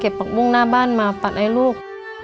ผักบุ้งหน้าบ้านมาปัดให้ลูก